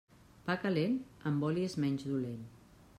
Pa calent, amb oli és menys dolent.